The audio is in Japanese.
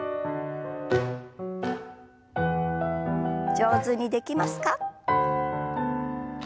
上手にできますか？